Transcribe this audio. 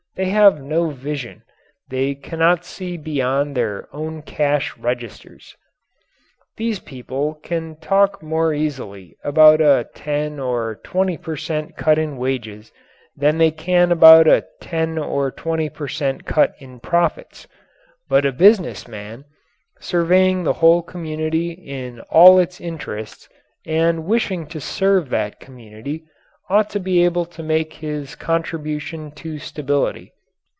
They have no vision. They cannot see beyond their own cash registers. These people can talk more easily about a 10 or 20 per cent. cut in wages than they can about a 10 or 20 per cent. cut in profits. But a business man, surveying the whole community in all its interests and wishing to serve that community, ought to be able to make his contribution to stability.